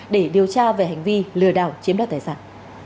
để điều tra về hành vi lừa đảo chiếm đoạt tài sản